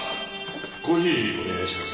コーヒーお願いします